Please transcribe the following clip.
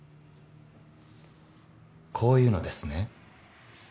こういうのですね？